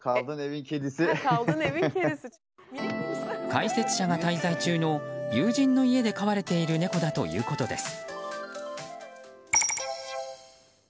解説者が滞在中の友人の家で飼われている猫だということです。